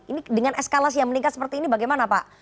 ini dengan eskalasi yang meningkat seperti ini bagaimana pak